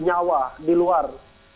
nyawa di luar